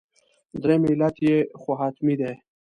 درېیم علت یې خو حتمي دی.